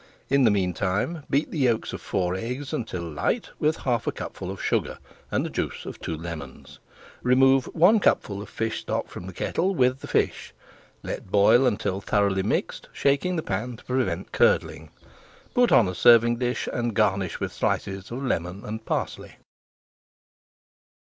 In the meantime, beat the yolks of four eggs until light with half a cupful of sugar, and the juice of two lemons. Remove one cupful of fish stock from the kettle with the fish. Let boil until thoroughly mixed, shaking the pan to prevent curdling. Put on a serving dish, and garnish with slices of lemon and parsley.